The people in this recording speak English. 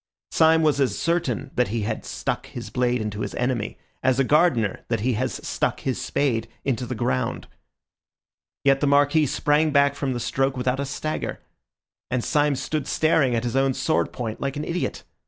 Syme was as certain that he had stuck his blade into his enemy as a gardener that he has stuck his spade into the ground. Yet the Marquis sprang back from the stroke without a stagger, and Syme stood staring at his own sword point like an idiot.